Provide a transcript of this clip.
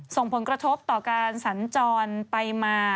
ส่งผลกระทบต่อการสัญจรไปมา